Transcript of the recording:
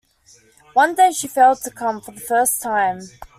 One day she failed to come, for the first time.